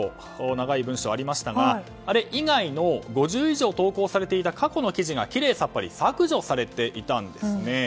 長い文書がありましたがあれ以外の５０以上投稿されていた過去の記事がきれいさっぱり削除されていたんですね。